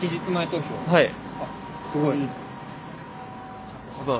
はい。